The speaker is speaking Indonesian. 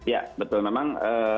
ya betul memang